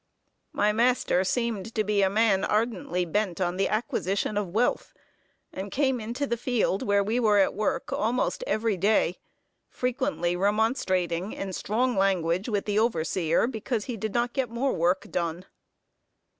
My master seemed to be a man ardently bent on the acquisition of wealth, and came into the field, where we were at work, almost every day; frequently remonstrating, in strong language, with the overseer, because he did not get more work done.